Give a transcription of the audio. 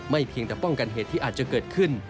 เพียงแต่ป้องกันเหตุที่อาจจะเกิดขึ้น